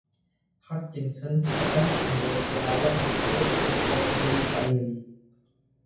Hodgkinson pernah menjadi pengawal untuk grup musik pop Milli Vanilli.